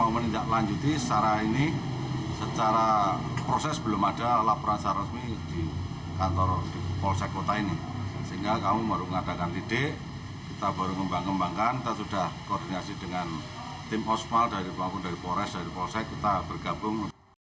pelaku berkata pelaku tidak akan mengulangi aksi tersebut